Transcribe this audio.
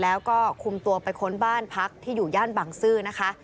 แล้วก็คุมตัวไปค้นบ้านพักที่อยู่ย่านบางซื่อนะคะ